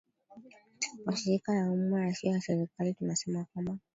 mashirika ya umma yasio ya kiserikali tunasema kwamba